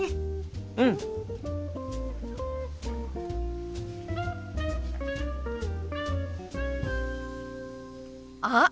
うん！あっ！